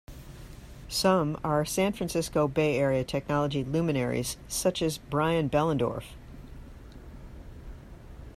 Some are San Francisco Bay Area technology luminaries, such as Brian Behlendorf.